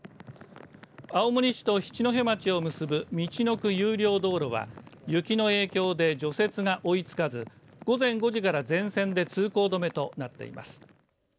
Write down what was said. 青森市と七戸町を結ぶみちのく有料道路は雪の影響で除雪が追いつかず午前５時から全線で通行止めとなっています。